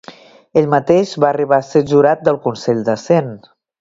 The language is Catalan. Ell mateix va arribar a ser jurat del Consell de Cent.